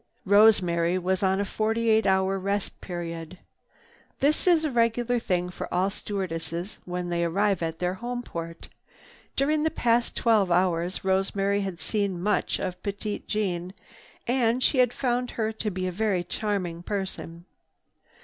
Rosemary was on a forty eight hour rest period. This is a regular thing for all stewardesses when they arrive at their home port. During the past twelve hours Rosemary had seen much of Petite Jeanne, and she had found her to be a very charming person.